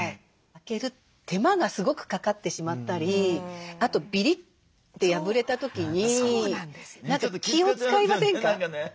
開ける手間がすごくかかってしまったりあとビリッて破れた時に何か気を遣いませんか？